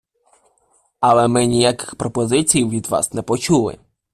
Але ми ніяких пропозицій від вас не почули.